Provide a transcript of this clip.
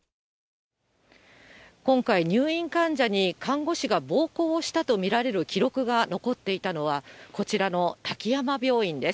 今回、入院患者に看護師が暴行をしたと見られる記録が残っていたのは、こちらの滝山病院です。